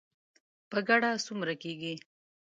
په ګډه څومره کیږي؟